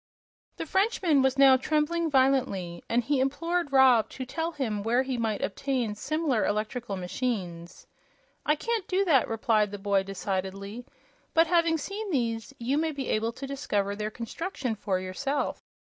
The Frenchman was now trembling violently, and he implored Rob to tell him where he might obtain similar electrical machines. "I can't do that," replied the boy, decidedly; "but, having seen these, you may be able to discover their construction for yourself.